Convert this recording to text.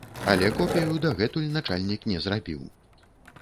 Але копію дагэтуль начальнік не зрабіў.